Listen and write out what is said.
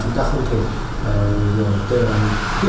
chúng ta không thể